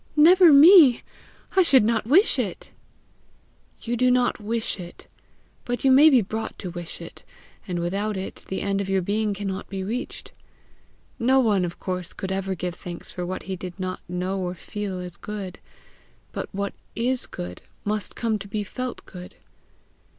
"Never me! I should not wish it!" "You do not wish it; but you may be brought to wish it; and without it the end of your being cannot be reached. No one, of course, could ever give thanks for what he did not know or feel as good. But what IS good must come to be felt good.